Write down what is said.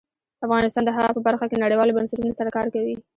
افغانستان د هوا په برخه کې نړیوالو بنسټونو سره کار کوي.